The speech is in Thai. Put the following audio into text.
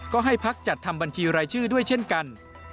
ก็ให้พักจัดทำบัญชีรายชื่อด้วยเช่นกัน